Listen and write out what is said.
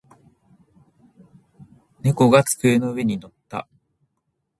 猫が机の上に乗った。